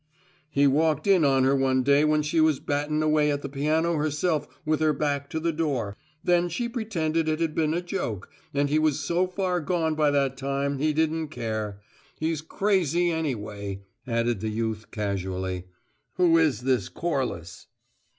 "He walked in on her one day when she was battin' away at the piano herself with her back to the door. Then she pretended it had been a joke, and he was so far gone by that time he didn't care. He's crazy, anyway," added the youth, casually. "Who is this Corliss?"